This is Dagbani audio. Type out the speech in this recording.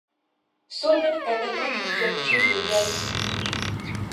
So dini ka Dagbani doli n-chihiri yɛligu